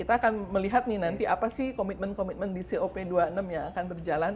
kita akan melihat nih nanti apa sih komitmen komitmen di cop dua puluh enam yang akan berjalan